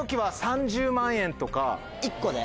１個で？